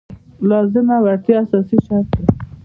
لازمه وړتیا اساسي شرط دی.